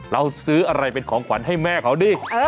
เราซื้ออะไรเป็นของขวัญให้แม่เขาดิ